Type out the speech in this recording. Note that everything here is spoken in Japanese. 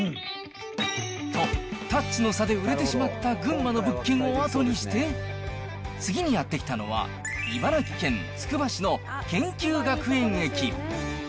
と、タッチの差で売れてしまった群馬の物件を後にして、次にやって来たのは、茨城県つくば市の研究学園駅。